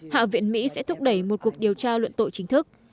hạ viện mỹ sẽ thúc đẩy một cuộc điều tra luận tội chính thức